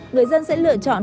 người dân sẽ lựa chọn